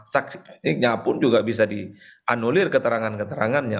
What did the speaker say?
saksinya pun juga bisa dianulir keterangan keterangannya